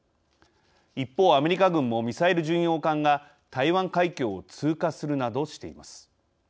一方、アメリカ軍もミサイル巡洋艦が台湾海峡を通過するなどしています。